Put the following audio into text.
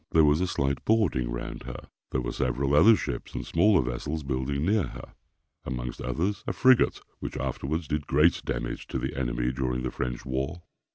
There was a slight boarding round her. There were several other ships and smaller vessels building near her; amongst others, a frigate which afterwards did great damage to the enemy during the French war.